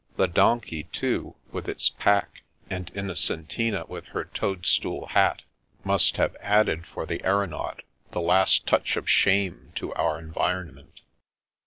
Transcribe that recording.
The donkey, too, with its pack, and Innocentina with her toadstool hat, must have added for the aeronaut the last touch of shame to our environment.